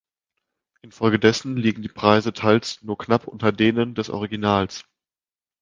Infolgedessen liegen die Preise teils nur knapp unter denen des Originals.